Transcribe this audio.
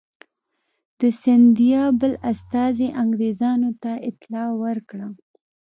د سیندیا بل استازي انګرېزانو ته اطلاع ورکړه.